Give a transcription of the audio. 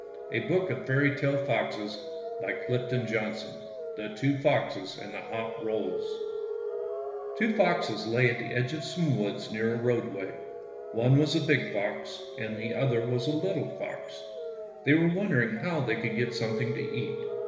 • I * THE TWO FOXES AND THE HOT ROLLS THE TWO FOXES AND THE HOT ROLLS T WO foxes lay at the edge of some woods near a roadway. One was a big fox, and the other was a little fox. They were wonder ing how they could get something to eat.